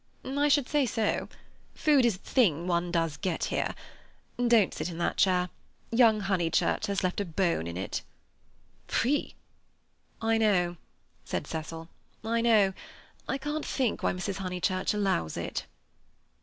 "I should say so. Food is the thing one does get here—Don't sit in that chair; young Honeychurch has left a bone in it." "Pfui!" "I know," said Cecil. "I know. I can't think why Mrs. Honeychurch allows it."